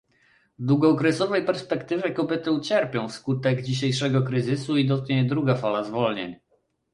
W długookresowej perspektywie kobiety ucierpią wskutek dzisiejszego kryzysu i dotknie je druga fala zwolnień